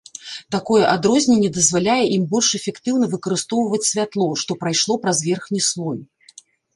Такое адрозненне дазваляе ім больш эфектыўна выкарыстоўваць святло, што прайшло праз верхні слой.